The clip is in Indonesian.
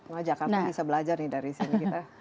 wah jakarta bisa belajar nih dari sini kita